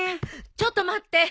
ちょっと待って。